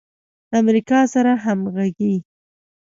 د امریکا سره همغږي